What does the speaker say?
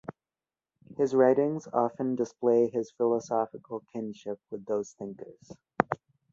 His writings often display his philosophical kinship with those thinkers.